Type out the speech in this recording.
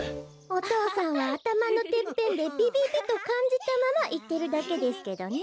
お父さんはあたまのてっぺんでピピピとかんじたままいってるだけですけどね。